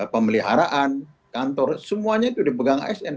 pemeliharaan kantor semuanya itu dipegang asn